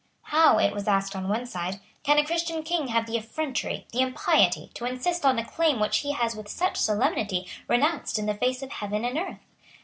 How, it was asked on one side, can a Christian king have the effrontery, the impiety, to insist on a claim which he has with such solemnity renounced in the face of heaven and earth?